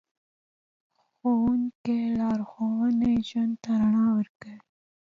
د ښوونکي لارښوونه ژوند ته رڼا ورکوي.